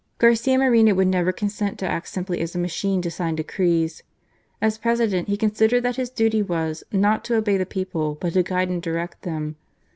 Garcia Moreno would never consent to act simply as a machine to sign decrees. As President he con sidered that his duty was, not to obey the people, but to guide and direct them.